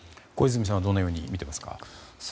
小泉さんはどのようにみていますか。